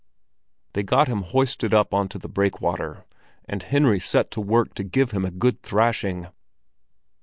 They got him hoisted up on to the breakwater, and Henry set to work to give him a good thrashing.